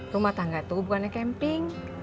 rumah tangga itu bukannya camping